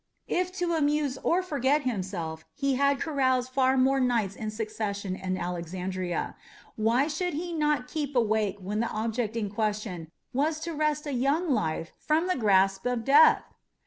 If to amuse or forget himself he had caroused far more nights in succession in Alexandria, why should he not keep awake when the object in question was to wrest a young life from the grasp of death?